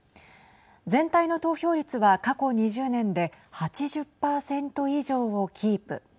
全体の投票率は、過去２０年で８０％以上をキープ。